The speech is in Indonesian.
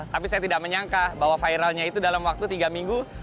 tapi saya tidak menyangka bahwa viralnya itu dalam waktu tiga minggu